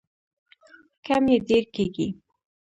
کم یې ډیر کیږي.